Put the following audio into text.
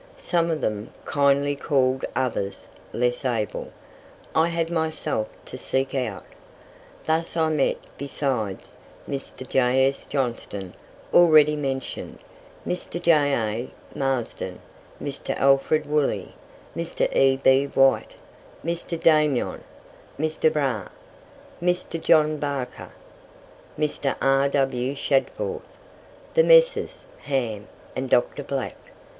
Some of them kindly called; others, less able, I had myself to seek out. Thus I met, besides Mr. J.S. Johnston, already mentioned, Mr. J.A. Marsden, Mr. Alfred Woolley, Mr. E.B. Wight, Mr. Damyon, Mr. Brahe, Mr. John Barker, Mr. R.W. Shadforth, the Messrs. Ham, and Dr. Black.